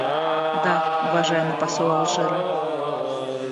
Да, уважаемый посол Алжира.